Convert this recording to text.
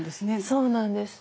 そうなんです。